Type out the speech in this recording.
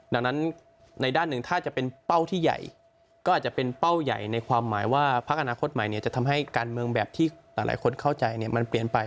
ดังนั้นในด้านหนึ่งถ้าจะเป็นเป้าที่ใหญ่ก็อาจจะเป็นเป้าใหญ่ในความหมายว่าพักอนาคตใหม่จะทำให้การเมืองแบบที่หลายคนเข้าใจมันเปลี่ยนไป